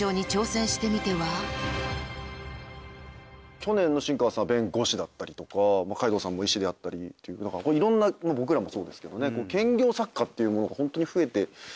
去年の新川さんは弁護士だったりとか海堂さんも医師であったりいろんな僕らもそうですけどね。